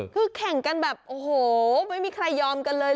คือแข่งกันแบบโอ้โหไม่มีใครยอมกันเลย